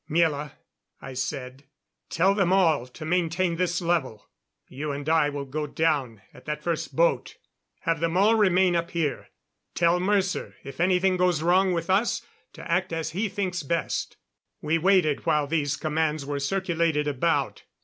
"Miela," I said, "tell them all to maintain this level. You and I will go down at that first boat. Have them all remain up here. Tell Mercer if anything goes wrong with us to act as he thinks best." We waited while these commands were circulated about.